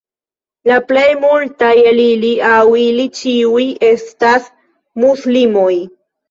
La plej multaj el ili aŭ ili ĉiuj estas muslimoj.